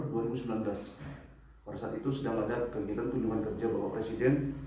pada saat itu sedang ada kegiatan kunjungan kerja bapak presiden